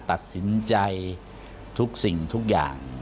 ตัดสินใจทุกสิ่งทุกอย่าง